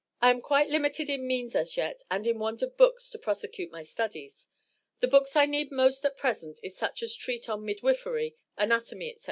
I am quite limited in means as yet and in want of books to prosecute my studies. The books I need most at present is such as treat on midwifery, anatomy, &c.